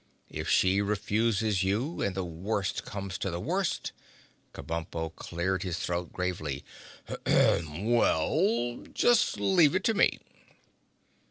If she refuses you and the worst comes to the worst"—Kabumpo cleared his throat gravely—"well—just leave it to me!"